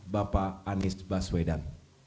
bapak anies baswedan